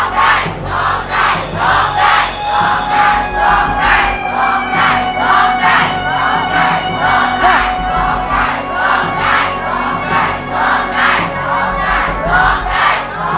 ร้องได้ร้องได้ร้องได้ร้องได้ร้องได้